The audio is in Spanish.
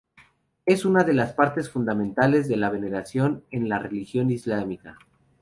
Es una de las partes fundamentales de la veneración en la religión islámica.